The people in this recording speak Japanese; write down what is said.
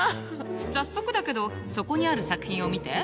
早速だけどそこにある作品を見て。